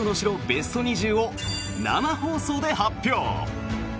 ベスト２０を生放送で発表！